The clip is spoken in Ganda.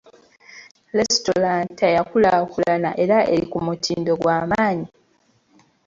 Lesitulanta yakulaakulana era eri kumutindo gwa manyi.